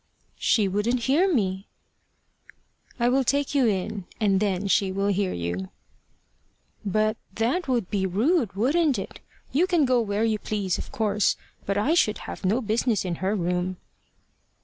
"She wouldn't hear me." "I will take you in, and then she will hear you." "But that would be rude, wouldn't it? You can go where you please, of course, but I should have no business in her room."